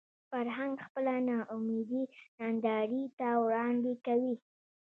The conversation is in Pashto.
فرهنګ خپله ناامیدي نندارې ته وړاندې کوي